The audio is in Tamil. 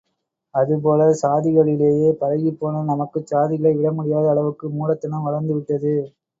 அதுபோல சாதிகளிலேயே பழகிப்போன நமக்குச் சாதிகளை விடமுடியாத அளவுக்கு மூடத்தனம் வளர்ந்து விட்டது.